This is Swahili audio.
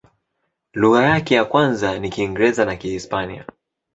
Lugha yake ya kwanza ni Kiingereza na Kihispania.